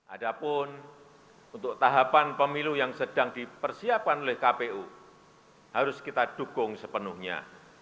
ada pun untuk tahapan pemilu yang sedang dipersiapkan oleh kpu harus kita dukung sepenuhnya